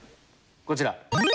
こちら。